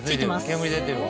煙出てるわ。